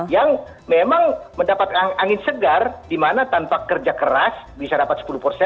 yang memang mendapat angin segar dimana tanpa kerja keras bisa dapat sepuluh